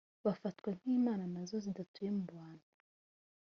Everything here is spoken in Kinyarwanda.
bafatwa nk’imana na zo zidatuye mu bantu